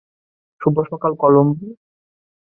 শুভ সকাল, কলোম্বো।